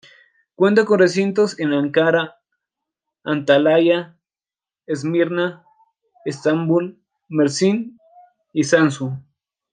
Cuenta con recintos en Ankara, Antalya, Esmirna, Estambul, Mersin y Samsun.